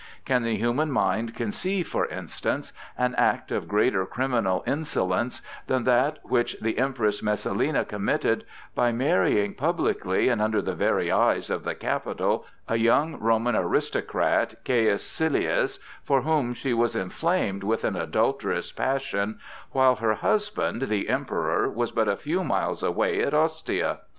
Can the human mind conceive, for instance, an act of greater criminal insolence than that which the Empress Messalina committed by marrying, publicly and under the very eyes of the capital, a young Roman aristocrat, Caius Silius, for whom she was inflamed with an adulterous passion, while her husband, the Emperor, was but a few miles away at Ostia?